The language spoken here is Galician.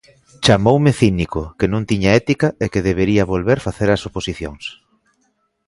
Chamoume cínico, que non tiña ética e que debería volver facer as oposicións.